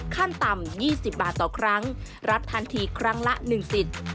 ขั้นต่ำ๒๐บาทต่อครั้งรับทันทีครั้งละ๑สิทธิ์